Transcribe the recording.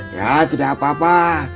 ya tidak apa apa